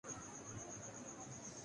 شان کی film Earth میں راحت کی اواز بھی شامل